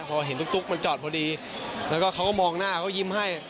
พอเห็นตุ๊กมันจอดพอดีแล้วก็เขาก็มองหน้าเขายิ้มให้